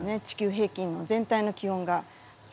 地球平均の全体の気温が。